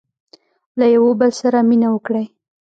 • له یوه بل سره مینه وکړئ.